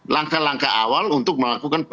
langkah langkah awal untuk melakukan